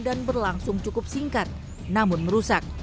dan berlangsung cukup singkat namun merusak